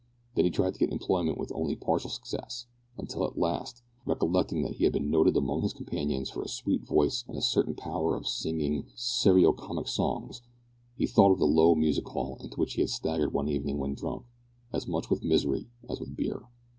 Then he tried to get employment with only partial success, until at last, recollecting that he had been noted among his companions for a sweet voice and a certain power of singing serio comic songs, he thought of a low music hall into which he had staggered one evening when drunk as much with misery as with beer.